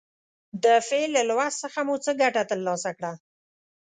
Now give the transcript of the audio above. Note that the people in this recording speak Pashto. د فعل له لوست څخه مو څه ګټه تر لاسه کړه.